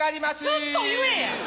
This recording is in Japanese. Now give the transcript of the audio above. すっと言えや！